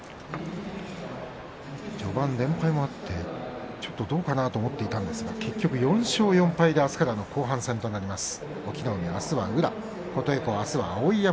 序盤連敗もあってちょっとどうかなと思っていたんですが結局４勝４敗であすからの後半戦となります。